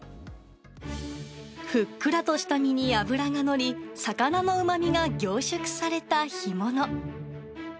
ふっくらとした身に脂が乗り、魚のうまみが凝縮された干物。